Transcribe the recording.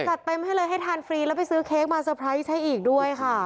จัดเต็มให้เลยให้ทานฟรีแล้วไปซื้อเค้กมาเตอร์ไพรส์ให้อีกด้วยค่ะ